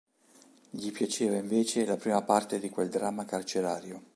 Gli piaceva invece la prima parte di quel dramma carcerario.